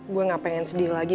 gue gak pengen sedih lagi